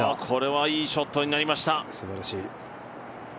これはいいショットになりました。